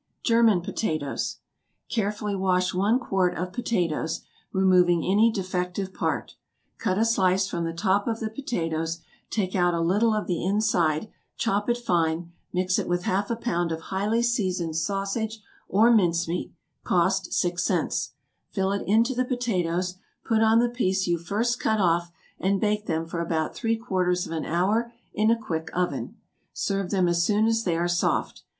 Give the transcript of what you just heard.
=German Potatoes.= Carefully wash one quart of potatoes, removing any defective part, cut a slice from the top of the potatoes, take out a little of the inside, chop it fine, mix it with half a pound of highly seasoned sausage or mincemeat, (cost six cents,) fill it into the potatoes, put on the piece you first cut off, and bake them for about three quarters of an hour in a quick oven. Serve them as soon as they are soft.